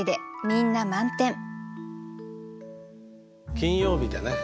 金曜日でね